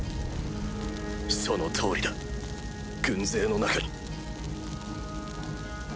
その通りだ軍勢の中に。